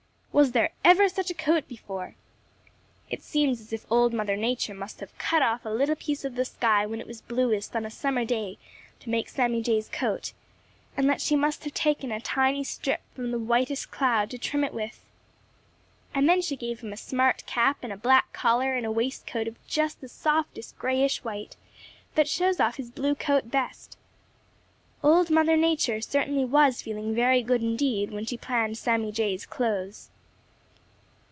Was there ever such a coat before? It seems as if Old Mother Nature must have cut off a little piece of the sky when it was bluest on a summer day to make Sammy Jay's coat, and that she must have taken a tiny strip from the whitest cloud to trim it with. And then she gave him a smart cap and a black collar and a waistcoat of just the softest grayish white, that shows off his blue coat best. Old Mother Nature certainly was feeling very good indeed when she planned Sammy Jay's clothes.